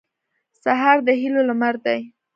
سهار د هیلو لمر دی.